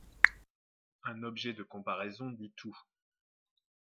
Un objet de comparaison dit tout.